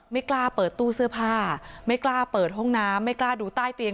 ไม่กล้าเปิดตู้เสื้อผ้าไม่กล้าเปิดห้องน้ำไม่กล้าดูใต้เตียง